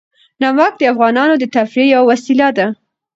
نمک د افغانانو د تفریح یوه وسیله ده.